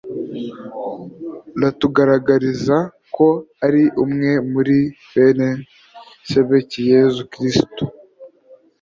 aratugaragariza ko ari umwe muri bene Sekibi Yezu Kristu